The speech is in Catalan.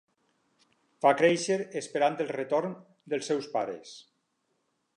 Va créixer esperant el retorn dels seus pares.